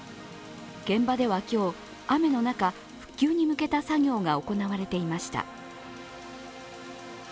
現場では今日、雨の中、復旧に向けた作業が行われていました。